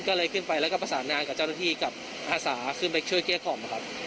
ก็เลยขึ้นไปแล้วก็ประสานงานกับเจ้าหน้าที่กับอาสาขึ้นไปช่วยเกลี้ยกล่อมครับ